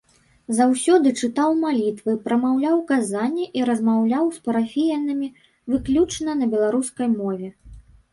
Заўсёды чытаў малітвы, прамаўляў казання і размаўляў з парафіянамі выключна на беларускай мове.